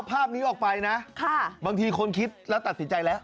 ภาพนี้ออกไปนะบางทีคนคิดแล้วตัดสินใจแล้ว